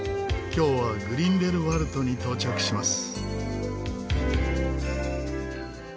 今日はグリンデルワルトに到着します。